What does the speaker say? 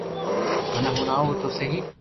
مني ھڻاو تو سھي